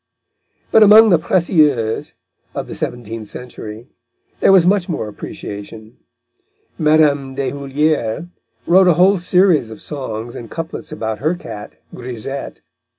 But among the précieuses of the seventeenth century there was much more appreciation. Mme. Deshoulières wrote a whole series of songs and couplets about her cat, Grisette.